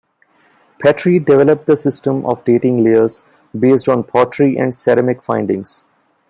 Petrie developed the system of dating layers based on pottery and ceramic findings.